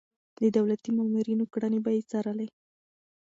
د دولتي مامورينو کړنې به يې څارلې.